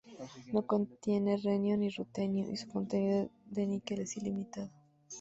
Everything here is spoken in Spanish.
No contiene renio ni rutenio y su contenido de níquel es limitado.